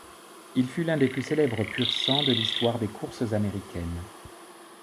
Il fut l'un des plus célèbres pur-sang de l'histoire des courses américaines.